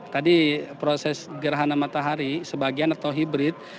tadi proses gerhana matahari sebagian atau hibrid